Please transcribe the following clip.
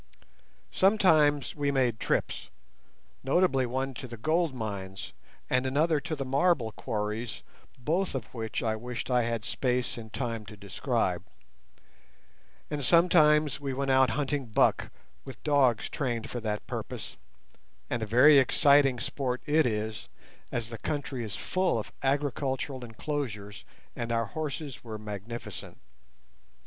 Sometimes we made trips, notably one to the gold mines and another to the marble quarries both of which I wish I had space and time to describe; and sometimes we went out hunting buck with dogs trained for that purpose, and a very exciting sport it is, as the country is full of agricultural enclosures and our horses were magnificent.